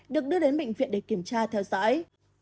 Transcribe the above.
được đưa đến bệnh viện để kiểm tra theo dõi